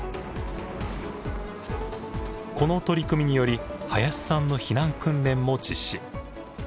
この取り組みにより林さんの避難訓練も実施。